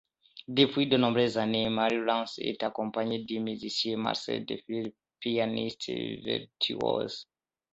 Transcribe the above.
Depuis de nombreuses années, Marie-Laurence est accompagnée du musicien Marcel Defives, pianiste virtuose.